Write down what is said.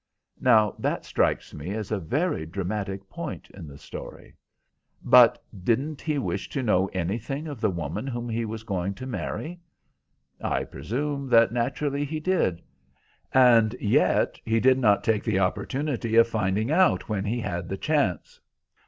Now, that strikes me as a very dramatic point in the story." "But didn't he wish to know anything of the woman whom he was going to marry?" "I presume that, naturally, he did." "And yet he did not take the opportunity of finding out when he had the chance?"